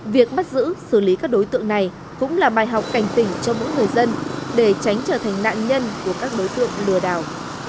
việc bắt giữ xử lý các đối tượng này cũng là bài học cảnh tỉnh cho mỗi người dân để tránh trở thành nạn nhân của các đối tượng lừa đảo